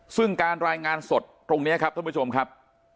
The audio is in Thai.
ซึ่งการรายงานสดตรงนี้ครับท่านผู้ชมครับ